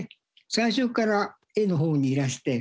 最初から絵の方にいらして。